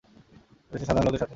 এই দেশের সাধারণ লোকের সাথে।